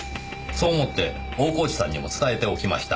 そう思って大河内さんにも伝えておきました。